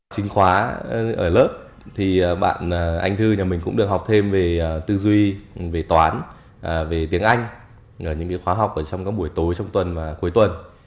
chính khóa ở lớp thì anh thư nhà mình cũng được học thêm về tư duy về toán về tiếng anh những khóa học trong buổi tối trong tuần và cuối tuần